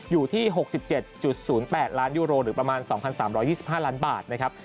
อยู่ที่๖๗๐๘ล้านยูโรหรือประมาณ๒๓๒๕ล้านบาทนะครับ